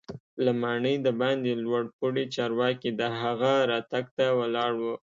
له ماڼۍ دباندې لوړ پوړي چارواکي د هغه راتګ ته ولاړ وو.